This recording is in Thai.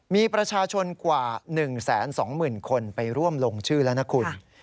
มีประชาชนกว่า๑๒๐๐๐คนไปร่วมลงชื่อแล้วนะคุณ